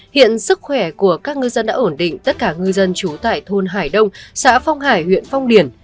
hiện sức khỏe của các ngư dân đã ổn định tất cả ngư dân trú tại thôn hải đông xã phong hải huyện phong điền